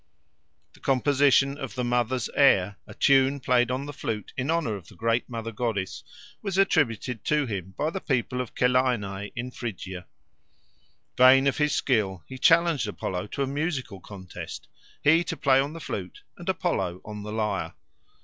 The composition of the Mother's Air, a tune played on the flute in honour of the Great Mother Goddess, was attributed to him by the people of Celaenae in Phrygia. Vain of his skill, he challenged Apollo to a musical contest, he to play on the flute and Apollo on the lyre.